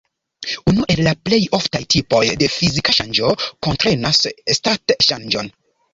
Unu el la plej oftaj tipoj de fizika ŝanĝo kuntrenas stat-ŝanĝon.